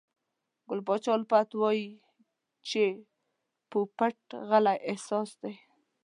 ګل پاچا الفت وایي چې پو پټ غلی احساس دی.